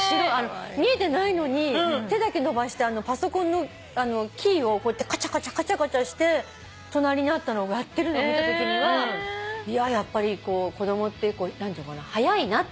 見えてないのに手だけ伸ばしてパソコンのキーをカチャカチャして隣にあったのをやってるのを見たときにはやっぱり子供って何ていうのかな早いなって思いましたね。